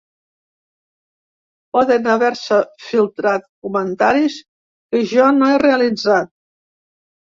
Poden haver-se filtrat comentaris que jo no he realitzat.